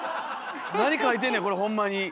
何書いてんねんこれホンマに。